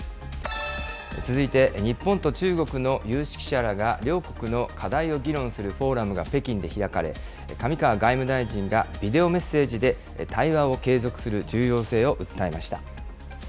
続いて日本と中国の有識者らが両国の課題を議論するフォーラムが北京で開かれ、上川外務大臣がビデオメッセージで対話を継続する重要性を訴えました。